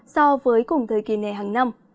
so với cùng thời kỳ này hàng năm